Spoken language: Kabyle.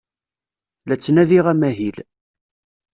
La ttnadiɣ amahil.